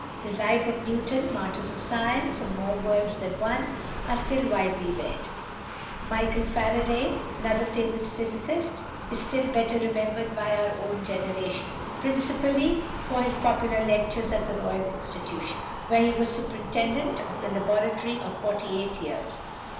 His "Life of Newton," "Martyrs of Science," and "More Worlds than One" are still widely read. =Michael Faraday (1791 1867)=, another famous physicist, is still better remembered by our own generation, principally for his popular lectures at the Royal Institution, where he was superintendent of the laboratory for forty eight years.